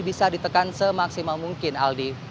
bisa ditekan semaksimal mungkin aldi